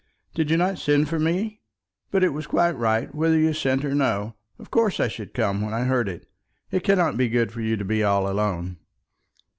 "Did you not send for me? But it was quite right, whether you sent or no. Of course I should come when I heard it. It cannot be good for you to be all alone."